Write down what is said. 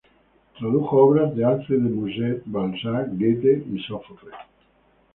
Tradujo obras de Alfred de Musset, Balzac, Goethe y Sófocles.